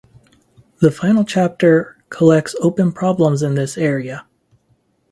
The final chapter collects open problems in this area.